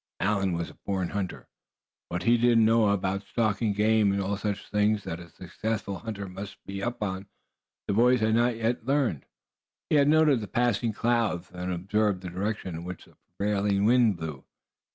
Allan was a born hunter. What he did not know about stalking game and all such things that a successful hunter must be up in, the boys had not as yet learned. He had noted the passing clouds, and observed the direction in which the prevailing wind blew.